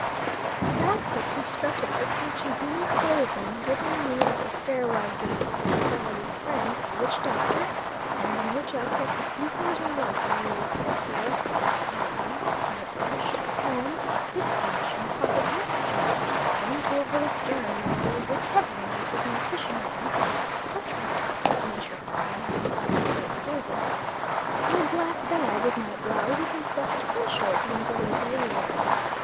A basket constructed for catching human souls in, given me as a farewell gift by a valued friend, a witch doctor, and in which I kept the few things in life I really cared for, i.e. my brush, comb, tooth brush, and pocket handkerchiefs, went over the stern; while I was recovering this with my fishing line (such was the excellent nature of the thing, I am glad to say it floated) a black bag with my blouses and such essentials went away to leeward.